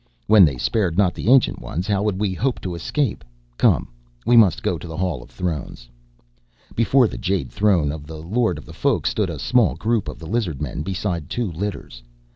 "When they spared not the Ancient Ones how could we hope to escape? Come, we must go to the Hall of Thrones." Before the jade throne of the Lord of the Folk stood a small group of the lizard men beside two litters.